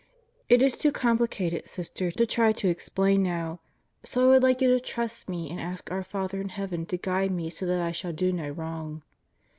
It is too complicated, Sister, to try to explain now. So I would like you to trust me and ask our Father in heaven to guide me so that I shall do no wrong.